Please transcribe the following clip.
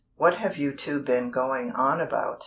"What have you two been going on about?"